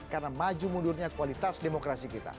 karena maju mundurnya kualitas demokrasi kita